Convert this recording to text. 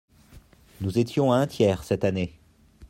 Nous étions à un tiers cette année.